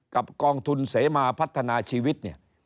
กับกองทุนเสมาพัฒนาชีวิต